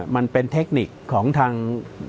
มันเป็นเทคนิคของทาง